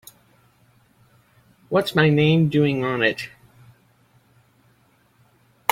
What's my name doing on it?